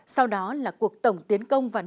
sau đó là cuộc tổng tiến công và nô lệ